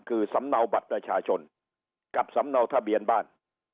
คือสำเนาบัตรประชาชนกับสำเนาทะเบียนบ้าน